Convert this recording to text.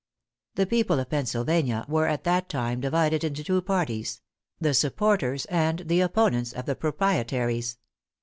The people of Pennsylvania were at that time divided into two parties the supporters and the opponents of the proprietaries.